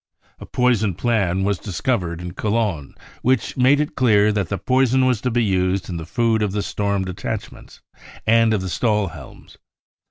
A poison plan was discovered in Cologne which made it clear that the poison was to be used in the food of the Storm Detachments and of the Stahl helms.